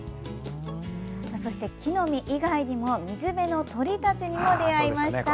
そして木の実以外にも水辺の鳥たちにも出会いました。